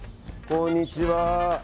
こんにちは。